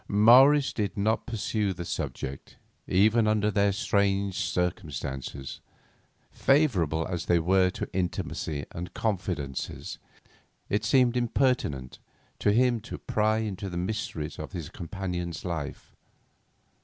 Morris did not pursue the subject; even under their strange circumstances, favourable as they were to intimacy and confidences, it seemed impertinent to him to pry into the mysteries of his companion's life.